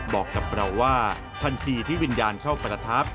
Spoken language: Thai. บอกกับเราว่าทันทีที่วิญญาณเข้าประทับ